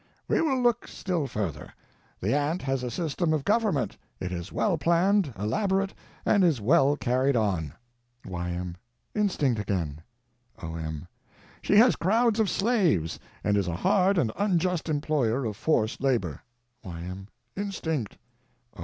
We will look still further. The ant has a system of government; it is well planned, elaborate, and is well carried on. Y.M. Instinct again. O.M. She has crowds of slaves, and is a hard and unjust employer of forced labor. Y.M. Instinct. O.